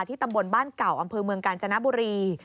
ตำบลบ้านเก่าอำเภอเมืองกาญจนบุรี